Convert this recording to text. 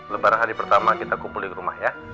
lebaran hari pertama kita kumpulin ke rumah ya